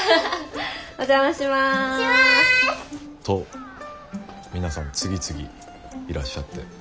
と皆さん次々いらっしゃって。